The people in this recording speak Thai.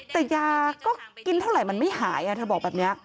แต่ยาก็กินเท่าไหร่มันไม่หายเธอบอกแบบนี้